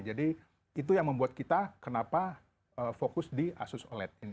jadi itu yang membuat kita kenapa fokus di asus oled ini